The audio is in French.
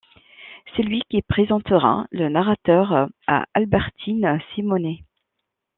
C'est lui qui présentera le narrateur à Albertine Simonet.